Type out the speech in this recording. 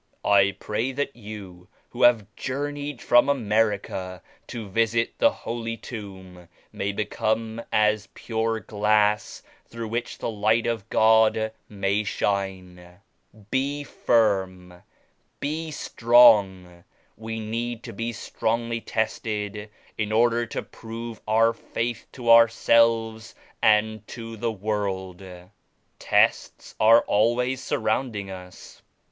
I pray that you who have journeyed from America to visit the Holy Tomb may become as pure glass through which the Light of God may shine. Be firm! Be strong! We need to be strongly tested in order to prove our Faith to ourselves and to the world. Tests are always surrounding us.